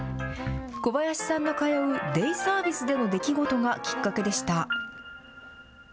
小林さんの通うデイサービスでの出来事がきっかけでした。